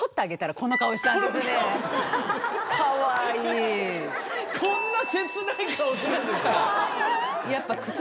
こんな切ない顔するんですか。